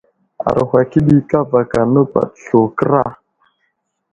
Aruhw akəɗi kava napaɗ slu kəra.